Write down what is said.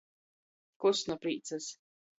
Kust nu prīcys.